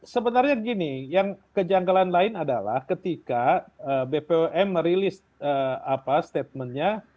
sebenarnya gini yang kejanggalan lain adalah ketika bpom merilis statementnya